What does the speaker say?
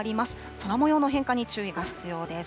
空もようの変化に注意が必要です。